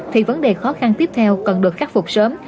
thì vấn đề khó khăn tiếp theo cần được khắc phục sớm